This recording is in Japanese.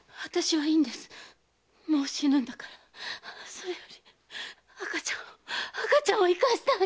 それより赤ちゃんを赤ちゃんを生かしてあげて！